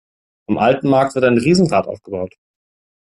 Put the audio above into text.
Am alten Markt wird ein Riesenrad aufgebaut.